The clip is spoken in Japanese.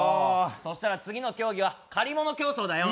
クソそしたら次の競技は借り物競争だよ